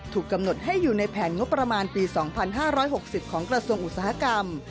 กำหนดให้อยู่ในแผนงบประมาณปี๒๕๖๐ของกระทรวงอุตสาหกรรม